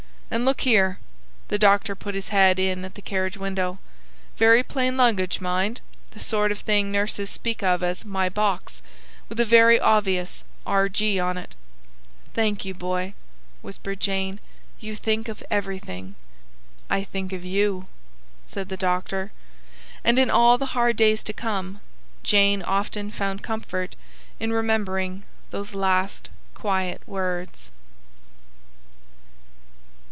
And, look here" the doctor put his head in at the carriage window "very plain luggage, mind. The sort of thing nurses speak of as 'my box'; with a very obvious R. G. on it!" "Thank you, Boy," whispered Jane. "You think of everything." "I think of YOU," said the doctor. And in all the hard days to come, Jane often found comfort in remembering those last quiet words.